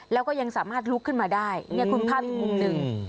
แล้วก็ยังสามารถลุกขึ้นมาได้เนี่ยคุณภาพอีกมุมหนึ่ง